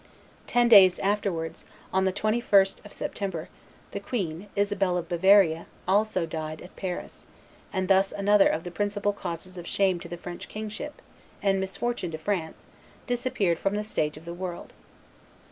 Ten days afterwards, on the 21th of September, the queen, Isabel of Bavaria, also died at Paris; and thus another of the principal causes of shame to the French kingship, and misfortune to France, disappeared from the stage of the world.